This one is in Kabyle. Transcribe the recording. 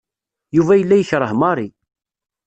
Yuba yella yekreh Mary.